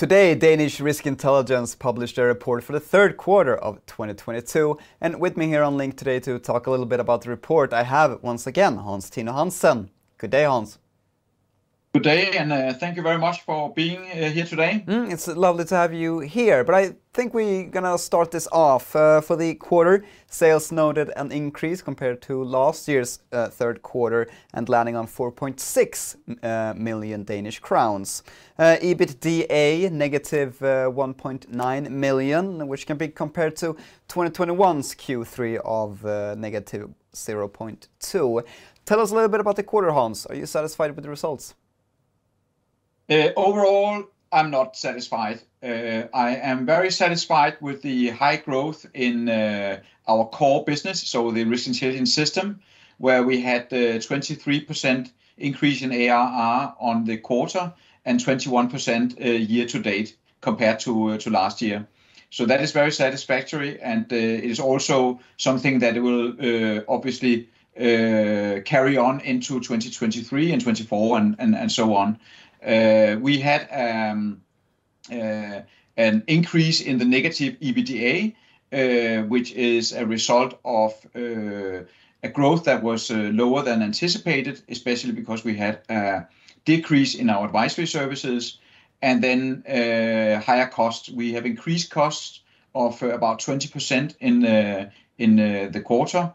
Today, Danish Risk Intelligence published a report for the third quarter of 2022, and with me here on the line today to talk a little bit about the report, I have, once again, Hans Tino Hansen. Good day, Hans. Good day, and thank you very much for being here today. It's lovely to have you here. I think we're gonna start this off. For the quarter, sales noted an increase compared to last year's third quarter, and landing on 4.6 million Danish crowns. EBITDA negative 1.9 million, which can be compared to 2021's Q3 of negative 0.2 million. Tell us a little bit about the quarter, Hans. Are you satisfied with the results? Overall, I'm not satisfied. I am very satisfied with the high growth in our core business, so the Risk Intelligence System, where we had the 23% increase in ARR on the quarter and 21% year to date compared to last year. That is very satisfactory, and it is also something that will obviously carry on into 2023 and 2024, and so on. We had an increase in the negative EBITDA, which is a result of a growth that was lower than anticipated, especially because we had decrease in our Advisory Services and then higher costs. We have increased costs of about 20% in the quarter.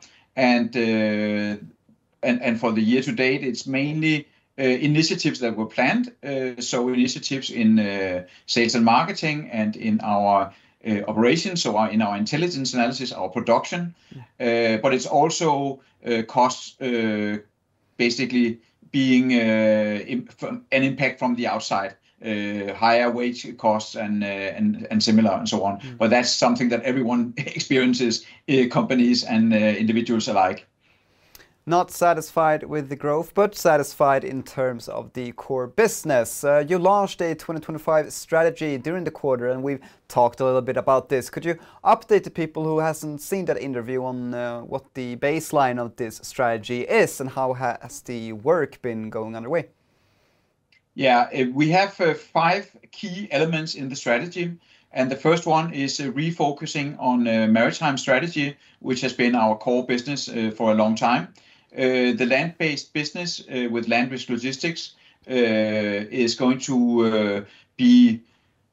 For the year to date, it's mainly initiatives that were planned. Initiatives in sales and marketing, and in our operations, in our intelligence analysis, our production. Mm. It's also costs basically being an impact from the outside. Higher wage costs and similar and so on. Mm. That's something that everyone experiences, companies and individuals alike. Not satisfied with the growth, but satisfied in terms of the core business. You launched a 2025 strategy during the quarter, and we've talked a little bit about this. Could you update the people who hasn't seen that interview on what the baseline of this strategy is, and how has the work been going underway? Yeah. We have five key elements in the strategy, and the first one is a refocusing on maritime strategy, which has been our core business for a long time. The land-based business with LandRisk Logistics is going to be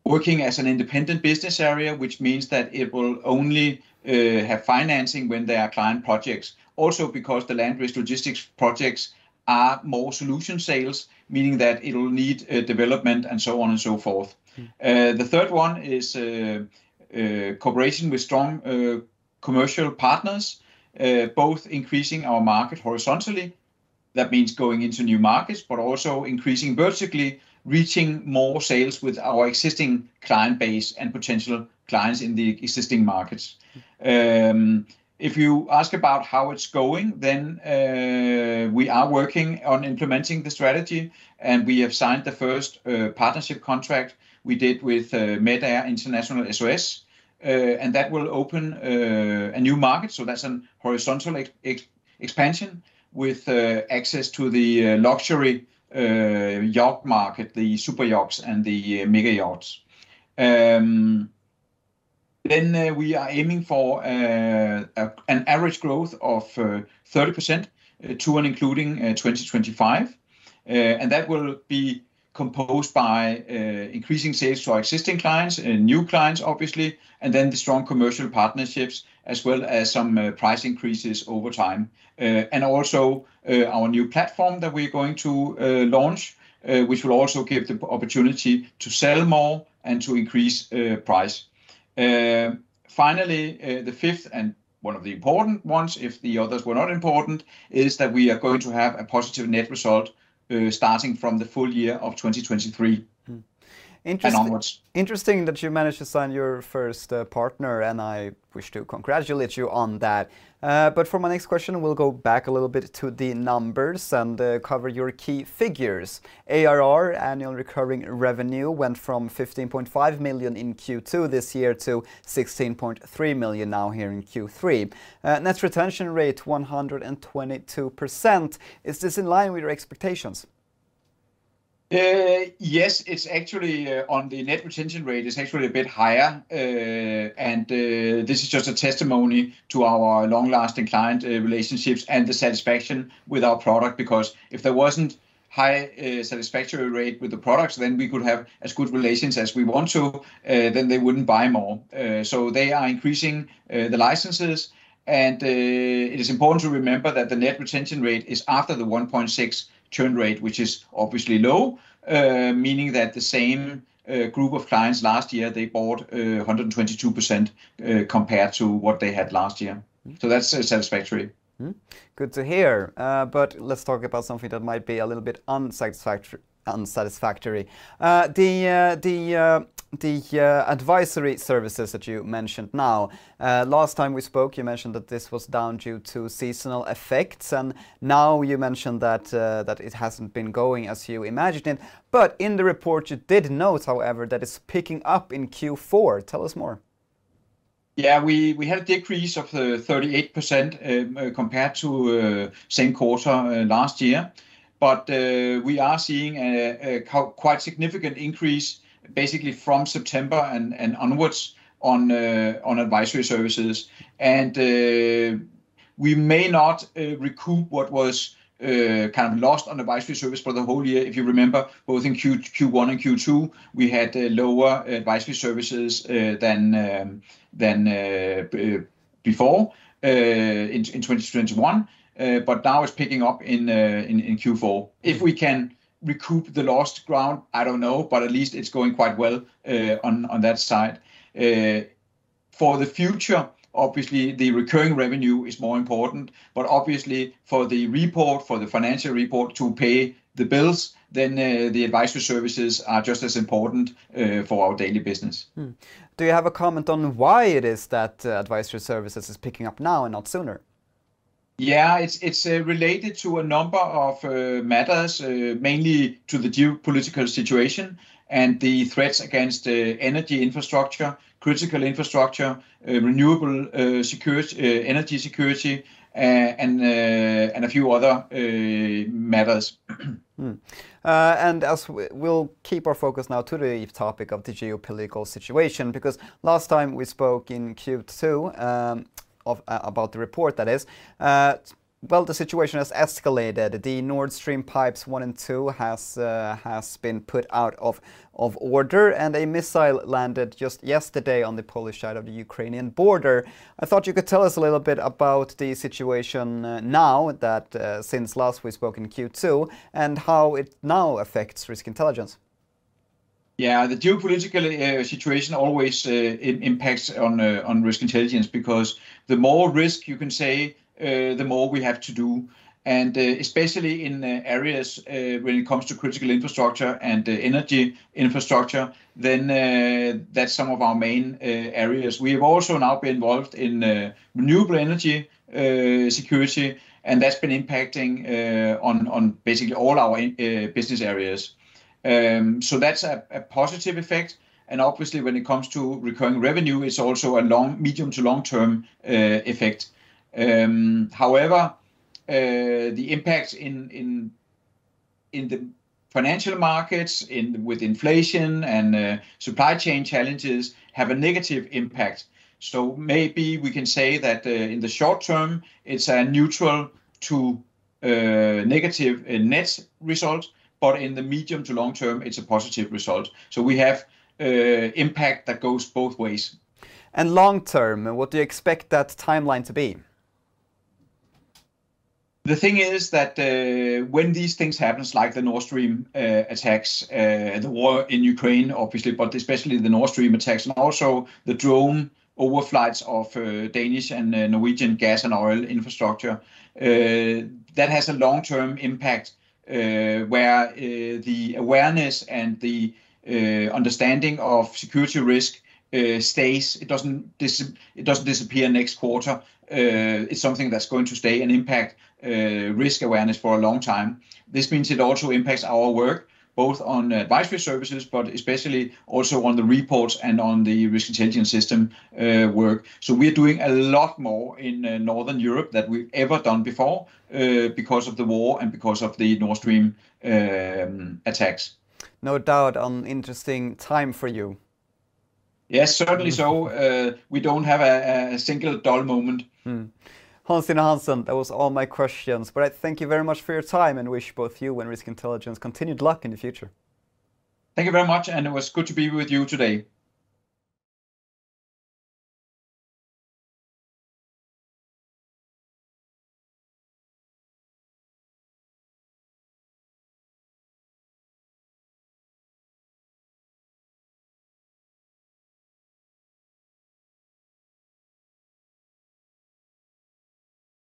working as an independent business area, which means that it will only have financing when there are client projects. Also, because the LandRisk Logistics projects are more solution sales, meaning that it'll need development and so on and so forth. Mm. The third one is cooperation with strong commercial partners, both increasing our market horizontally, that means going into new markets, but also increasing vertically, reaching more sales with our existing client base and potential clients in the existing markets. If you ask about how it's going, then we are working on implementing the strategy, and we have signed the first partnership contract we did with MedAire, International SOS. That will open a new market, so that's a horizontal expansion with access to the luxury yacht market, the super yachts and the mega yachts. We are aiming for an average growth of 30% to and including 2025. That will be composed by increasing sales to our existing clients and new clients, obviously, and then the strong commercial partnerships as well as some price increases over time. Our new platform that we're going to launch, which will also give the opportunity to sell more and to increase price. Finally, the fifth and one of the important ones, if the others were not important, is that we are going to have a positive net result starting from the full year of 2023. Interesting. And onwards Interesting that you managed to sign your first partner, and I wish to congratulate you on that. For my next question, we'll go back a little bit to the numbers and cover your key figures. ARR, annual recurring revenue, went from 15.5 million in Q2 this year to 16.3 million now here in Q3. Net retention rate, 122%. Is this in line with your expectations? Yes. It's actually on the net retention rate, it's actually a bit higher. This is just a testimony to our long-lasting client relationships and the satisfaction with our product. Because if there wasn't high satisfactory rate with the products, then we could have as good relations as we want to, then they wouldn't buy more. They are increasing the licenses. It is important to remember that the net retention rate is after the 1.6 churn rate, which is obviously low, meaning that the same group of clients last yEAr, they bought 122% compared to what they had last year. Mm. That's satisfactory. Mm-hmm. Good to hear. Let's talk about something that might be a little bit unsatisfactory. The Advisory Services that you mentioned now, last time we spoke, you mentioned that this was down due to seasonal effects, and now you mentioned that it hasn't been going as you imagined it. In the report, you did note, however, that it's picking up in Q4. Tell us more. Yeah, we had a decrease of 38%, compared to same quarter last year. We are seeing a quite significant increase basically from September and onwards on Advisory Services. We may not recoup what was kind of lost on Advisory Services for the whole year. If you remember, both in Q1 and Q2, we had lower Advisory Services than before in 2021. Now it's picking up in Q4. If we can recoup the lost ground, I don't know, but at least it's going quite well on that side. For the future, obviously, the recurring revenue is more important, but obviously for the report, for the financial report to pay the bills, then, the Advisory Services are just as important, for our daily business. Do you have a comment on why it is that, Advisory Services is picking up now and not sooner? Yeah. It's related to a number of matters, mainly to the geopolitical situation and the threats against energy infrastructure, critical infrastructure, renewable security, energy security, and a few other matters. We'll keep our focus now to the topic of the geopolitical situation because last time we spoke in Q2 of about the report, that is, well, the situation has escalated. The Nord Stream pipes 1 and 2 has been put out of order, and a missile landed just yesterday on the Polish side of the Ukrainian border. I thought you could tell us a little bit about the situation now that since last we spoke in Q2, and how it now affects Risk Intelligence. Yeah. The geopolitical situation always impacts on Risk Intelligence because the more risk you can say, the more we have to do. Especially in areas when it comes to critical infrastructure and energy infrastructure, that's some of our main areas. We've also now been involved in renewable energy security, and that's been impacting on basically all our business areas. So that's a positive effect. Obviously when it comes to recurring revenue, it's also a long, medium to long term effect. However, the impact in the financial markets with inflation and supply chain challenges have a negative impact. Maybe we can say that, in the short term, it's a neutral to negative net result, but in the medium to long term, it's a positive result. We have impact that goes both ways. Long term, what do you expect that timeline to be? The thing is that when these things happen, like the Nord Stream attacks, the war in Ukraine obviously, but especially the Nord Stream attacks and also the drone overflights of Danish and Norwegian gas and oil infrastructure, that has a long-term impact where the awareness and the understanding of security risk stays. It doesn't disappear next quarter. It's something that's going to stay and impact risk awareness for a long time. This means it also impacts our work both on Advisory Services, but especially also on the reports and on the Risk Intelligence System work. We are doing a lot more in Northern Europe than we've ever done before because of the war and because of the Nord Stream attacks. No doubt an interesting time for you. Yes, certainly so. We don't have a single dull moment. Hans Tino Hansen, that was all my questions. I thank you very much for your time, and wish both you and Risk Intelligence continued luck in the future. Thank you very much, and it was good to be with you today.